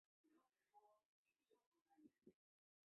首府锡拉库萨。